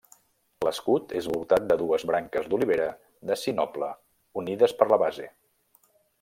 L'escut és voltat de dues branques d'olivera de sinople unides per la base.